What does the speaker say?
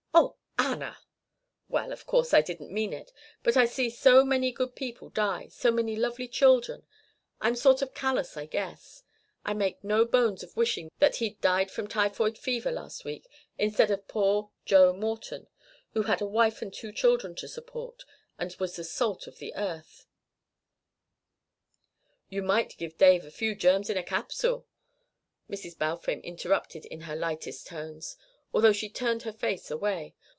"Oh, Anna!" "Well, of course I didn't mean it. But I see so many good people die so many lovely children I'm sort of callous, I guess. I make no bones of wishing that he'd died of typhoid fever last week, instead of poor Joe Morton, who had a wife and two children to support, and was the salt of the earth " "You might give Dave a few germs in a capsule!" Mrs. Balfame interrupted in her lightest tones, although she turned her face away.